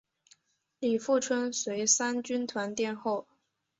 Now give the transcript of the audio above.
李富春随三军团殿后。